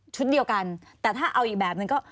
เดียวกันแต่ถ้าเอาอีกแบบนึงก็